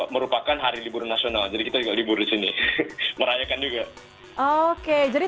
merupakan hari libur nasional jadi kita juga libur di sini merayakan juga oke jadi